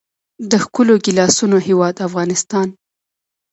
د ښکلو ګیلاسونو هیواد افغانستان.